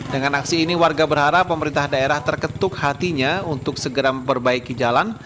dengan aksi ini warga berharap pemerintah daerah terketuk hatinya untuk segera memperbaiki jalan